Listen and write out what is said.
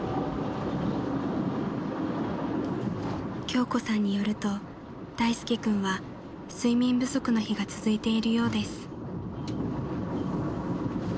［京子さんによると大介君は睡眠不足の日が続いているようです］